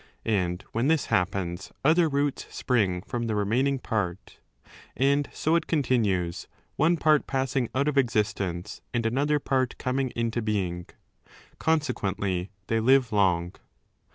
And when this happens other roots spring from the remaining part. And so it continues, one part passing out of existence and another part coming into being. Consequently, they live 4 long.